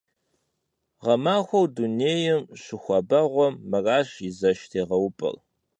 Гъэмахуэу дунейм щихуабэгъуэм мыращ и зэш тегъэупӀэр.